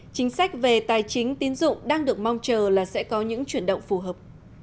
chính sách về tài chính tín dụng đang được mong chờ là sẽ có những chuyển động phù hợp